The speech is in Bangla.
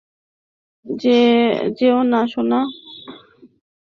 যেও না, সোনা।